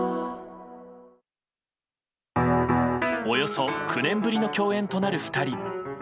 およそ９年ぶりの共演となる２人。